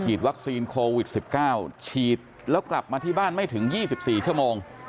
ฉีดวัคซีนโควิดสิบเก้าฉีดแล้วกลับมาที่บ้านไม่ถึงยี่สิบสี่ชั่วโมง